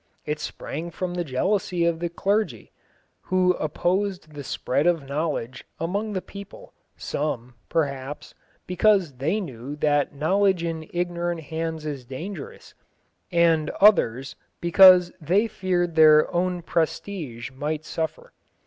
It sprang from the jealousy of the clergy, who opposed the spread of knowledge among the people some, perhaps, because they knew that knowledge in ignorant hands is dangerous, and others because they feared their own prestige might suffer.